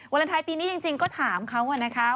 เลนไทยปีนี้จริงก็ถามเขานะคะ